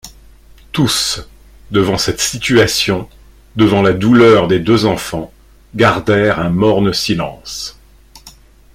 Tous, devant cette situation, devant la douleur des deux enfants, gardèrent un morne silence.